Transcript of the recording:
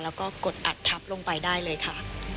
แล้วก็กดอัดทับลงไปได้เลยค่ะ